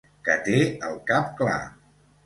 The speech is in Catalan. Que té el cap clar.